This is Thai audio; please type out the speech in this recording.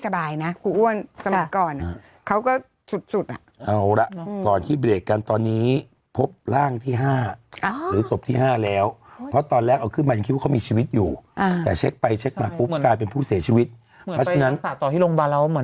แต่น้อยคนมากนะที่เรียกแม่หมูตอนนั้นหนูจะยินแม่หมูแม่หมูน้องหมู